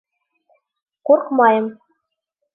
— Ҡурҡмайым.